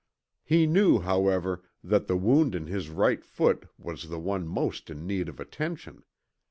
He knew, however, that the wound in his right foot was the one most in need of attention.